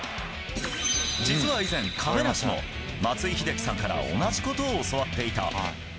実は以前、亀梨も松井秀喜さんから同じことを教わっていた。